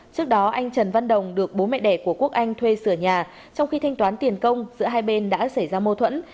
trước đó anh trần văn đồng được bố mẹ đẻ của quốc anh thuê sửa nhà trong khi thanh toán tiền công giữa hai bên đã xảy ra mâu thuẫn